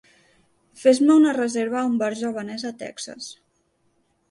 Fes-me una reserva a un bar javanès a Texas